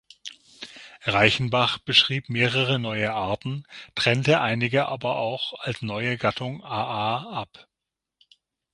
Reichenbach beschrieb mehrere neue Arten, trennte einige aber auch als neue Gattung "Aa" ab.